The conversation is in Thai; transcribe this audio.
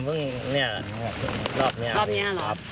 ผมเพิ่งนี่รอบนี้เอาไปดูครับ